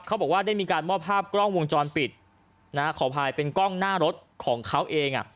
เขาบอกว่าได้มีการมอบภาพกล้องวงจรปิดนะฮะขออภัยเป็นกล้องหน้ารถของเขาเองอ่ะ